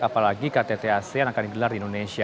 apalagi ktt asean akan digelar di indonesia